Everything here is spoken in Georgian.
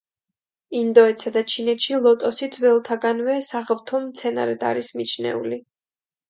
ინდოეთსა და ჩინეთში ლოტოსი ძველთაგანვე საღვთო მცენარედ არის მიჩნეული.